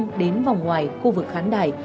trong đến vòng ngoài khu vực khán đài